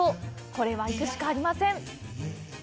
これは行くしかありません！